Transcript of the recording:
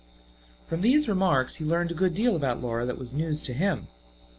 From these remarks he learned a good deal about Laura that was news to him.